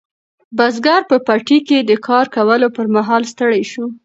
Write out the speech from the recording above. بزګر په پټي کې د کار کولو پر مهال ستړی شو.